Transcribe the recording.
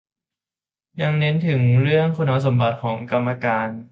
ยังเน้นถึงเรื่องคุณสมบัติของกรรมการ